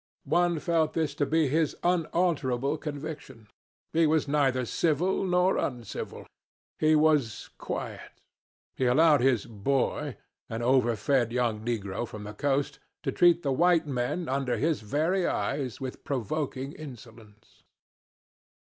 One felt this to be his unalterable conviction. He was neither civil nor uncivil. He was quiet. He allowed his 'boy' an overfed young negro from the coast to treat the white men, under his very eyes, with provoking insolence.